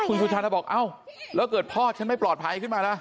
คุณสุชาติจะบอกแล้วเกิดพ่อฉันไม่ปลอดภัยขึ้นมาล่ะ